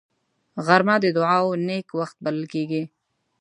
غرمه د دعاو نېک وخت بلل کېږي